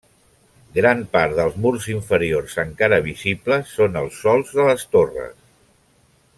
Gran part dels murs inferiors encara visibles són els sòls de les torres.